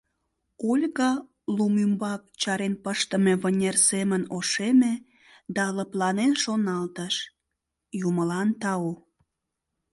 Ольга лум ӱмбак чарен пыштыме вынер семын ошеме да лыпланен шоналтыш: «Юмылан тау!